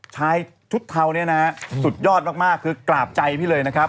ชายชุดเทาเนี่ยนะฮะสุดยอดมากคือกราบใจพี่เลยนะครับ